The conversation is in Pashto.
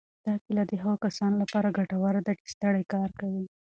دا کیله د هغو کسانو لپاره ګټوره ده چې ستړی کار کوي.